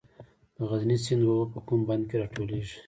د غزني سیند اوبه په کوم بند کې راټولیږي؟